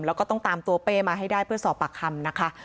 แล้วก็ต้องตามตัวเป้มาให้ได้เพื่อสอบปากคำนะคะ